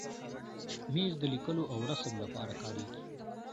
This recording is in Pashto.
مېز د لیکلو او رسم لپاره کارېږي.